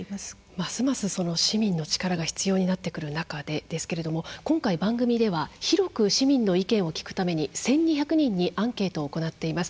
ますます市民の力が必要になってくる中でですけれども今回番組では広く市民の意見を聞くために１，２００人にアンケートを行っています。